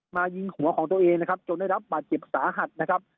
มายิงหัวของตัวเองนะครับจนได้รับบาดเจ็บสาหัสนะครับ